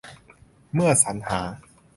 เมื่อสรรหา